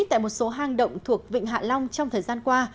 tại một số hang động thuộc vịnh hạ long trong thời gian qua